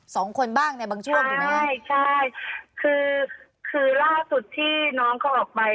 สองคนบ้างในบางช่วงใช่ไหมใช่ใช่คือคือล่าสุดที่น้องเขาออกไป